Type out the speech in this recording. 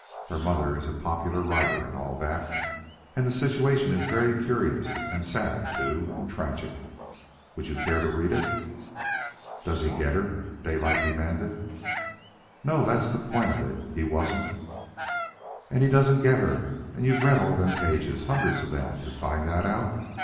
Her mother is a popular writer and all that. And the situation is very curious, and sad, too, and tragic. Would you care to read it?" "Does he get her?" Daylight demanded. "No; that's the point of it. He wasn't " "And he doesn't get her, and you've read all them pages, hundreds of them, to find that out?"